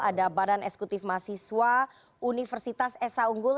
ada badan eksekutif mahasiswa universitas esa unggul